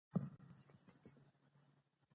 ازادي راډیو د د بیان آزادي د تحول لړۍ تعقیب کړې.